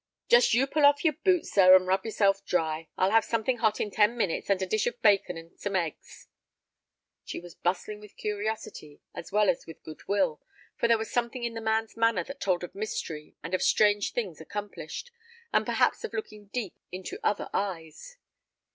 "Just you pull off your boots, sir, and rub yourself dry. I'll have something hot in ten minutes, and a dish of bacon and some eggs." She was bustling with curiosity as well as with good will, for there was something in the man's manner that told of mystery and of strange things accomplished, and perhaps of looking deep into other eyes.